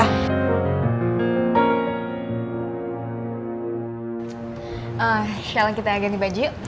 eh sekarang kita ganti baju yuk